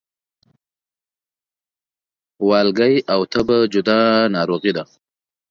والګی او تبه جدا ناروغي دي